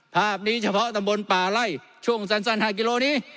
ภาพนี้เฉพาะตำบลป่าไล่ช่วงสั้น๕กิโลนี้